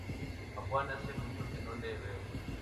A Juan hace mucho que no le veo.